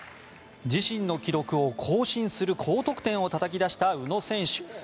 自身の記録を更新する高得点をたたき出した宇野選手。